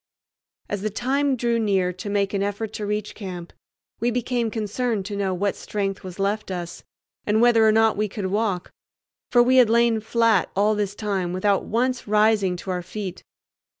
As the time drew near to make an effort to reach camp, we became concerned to know what strength was left us, and whether or no we could walk; for we had lain flat all this time without once rising to our feet.